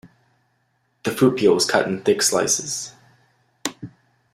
The fruit peel was cut in thick slices.